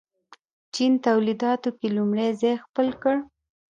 چین تولیداتو کې لومړی ځای خپل کړ.